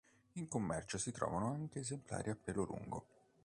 In commercio si trovano anche esemplari a pelo lungo.